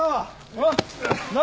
おい。